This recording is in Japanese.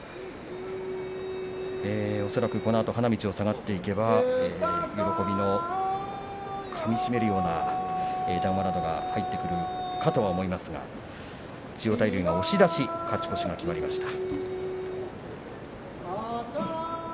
恐らく花道を下がっていけば喜びをかみしめるような談話が入ってくるかと思いますが千代大龍は押し出し勝ち越しが決まりました。